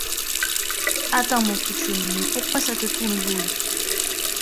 Attends mon pitchoun, mais pourquoi ça te tourneboule ?